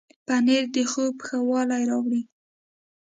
پنېر د خوب ښه والی راولي.